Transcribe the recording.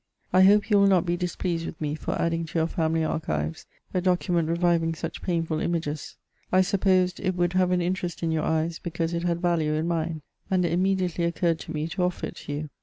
" I hope you will not be displeased with me for adding to your family archives a document reviving such painful images ; I supposed it would have an interest in your eyes, because it had value in mine, and it immediately occurred to me to offer it to you.